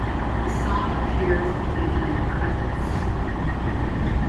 The song appears at the end credits.